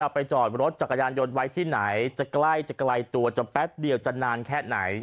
ไปจอดรถจักรยานยนต์ไว้ที่ไหนจะใกล้จะไกลตัวจะแป๊บเดียวจะนานแค่ไหน